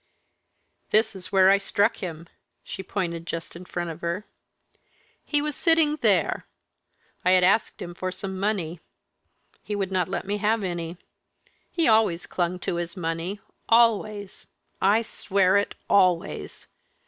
"This is where I struck him." She pointed just in front of her. "He was sitting there. I had asked him for some money. He would not let me have any. He always clung to his money always! I swear it always!"